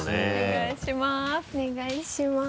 お願いします